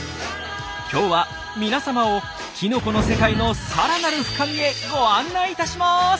今日はみなさまをきのこの世界のさらなる深みへご案内いたします！